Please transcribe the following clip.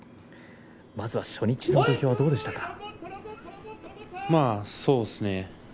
まず初日の土俵はどうでしたか。